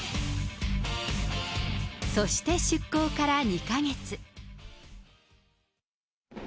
そして出航から２か月。